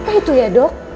apa itu ya dok